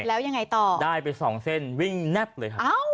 แล้วยังไงต่อได้ไปสองเส้นวิ่งแนบเลยครับ